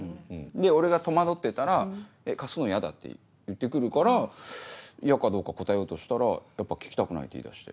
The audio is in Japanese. で俺が戸惑ってたら「貸すの嫌だ？」って言って来るから嫌かどうか答えようとしたら「やっぱ聞きたくない」って言いだして。